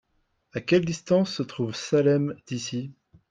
À quelle distance se trouve Salem d'ici ?